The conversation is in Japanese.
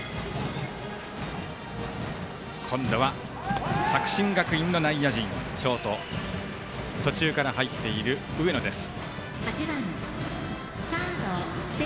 今度は作新学院の内野陣ショート、途中から入っている上野です。